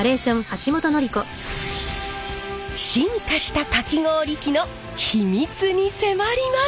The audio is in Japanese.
進化したかき氷機の秘密に迫ります！